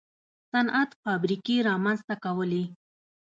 صنعت فابریکې رامنځته کولې.